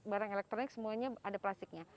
barang elektronik semuanya ada plastiknya